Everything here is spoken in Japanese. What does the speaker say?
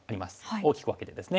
大きく分けてですね。